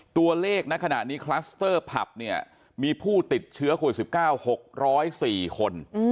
ตัวเลขในคลัสเตอร์ผับมีผู้ติดเชื้อโควิด๑๙๖๐๔คน